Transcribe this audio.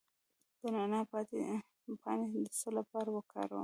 د نعناع پاڼې د څه لپاره وکاروم؟